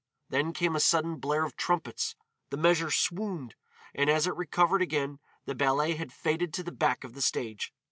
Then came a sudden blare of trumpets, the measure swooned, and as it recovered again the ballet had faded to the back of the stage.